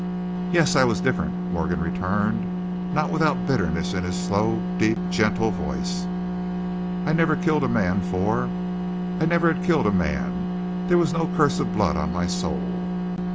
"Yes, I was different," Morgan returned, not without bitterness in his slow, deep, gentle voice. "I never killed a man for I never had killed a man; there was no curse of blood on my soul."